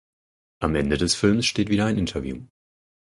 Am Ende des Films steht wieder ein Interview.